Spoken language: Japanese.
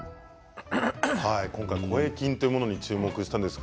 今回声筋というものに注目したんですが